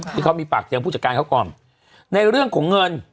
ที่เขามีปากเสียงผู้จัดการเขาก่อนในเรื่องของเงิน